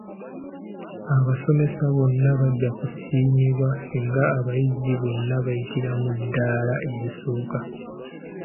Abasomesa bonna bajja kusiimibwa singa abayizi bonna bayitira mu ddaala erisooka.